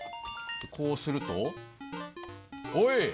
こうするとおい！